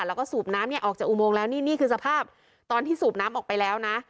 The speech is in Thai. แล้วก็สูบน้ำเนี่ยออกจากอุโมงแล้วนี่นี่คือสภาพตอนที่สูบน้ำออกไปแล้วนะ